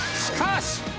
しかし！